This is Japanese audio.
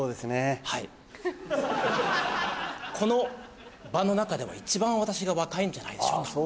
この場の中でも一番私が若いんじゃないでしょうか？